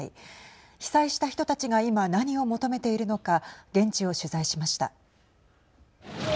被災した人たちが今何を求めているのか現地を取材しました。